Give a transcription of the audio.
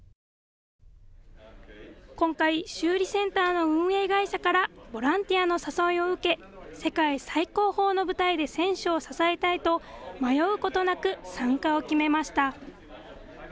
今回、修理センターの運営会社からボランティアの誘いを受け世界最高峰の舞台で選手を支えたいと迷うことなく参加を決めました。